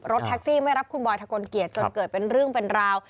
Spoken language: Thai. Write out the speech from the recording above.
แท็กซี่ไม่รับคุณบอยทะกลเกียจจนเกิดเป็นเรื่องเป็นราว